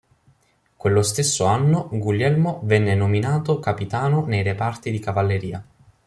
Quello stesso anno, Guglielmo venne nominato capitano nei reparti di cavalleria.